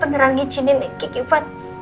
penerang izin ini kekibat